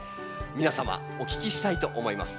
皆様お聞きしたいと思います。